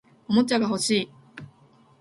おもちゃが欲しい